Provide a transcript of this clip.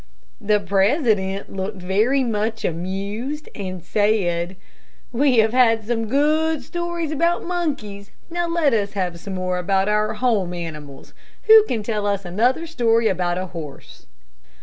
The president looked very much amused, and said, "We have had some good stories about monkeys, now let us have some more about our home animals. Who can tell us another story about a horse?"